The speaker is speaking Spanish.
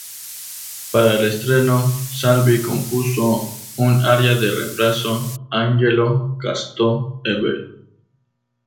Para el estreno, Salvi compuso un aria de reemplazo, 'Angelo casto e bel'.